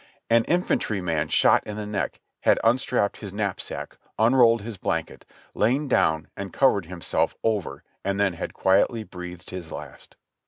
An infantryman shot in the neck had unstrapped his knap sack, unrolled his blanket, lain down and covered himself over and then had quietly breathed his last.